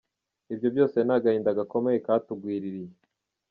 Ibyo byose ni agahinda gakomeye katugwiririye.